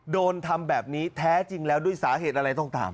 โดนทำแบบนี้แท้จริงแล้วด้วยสาเหตุอะไรต้องตาม